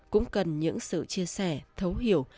cũng cần những sự chia sẻ thấu hiểu